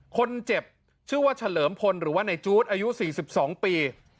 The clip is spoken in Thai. คนเจ็บชื่อว่าเฉลิมพลหรือว่าในจู๊ดอายุ๔๒ปี